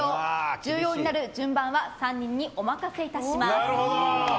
重要になる順番は３人にお任せします。